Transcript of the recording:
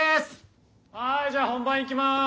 はいじゃあ本番いきます！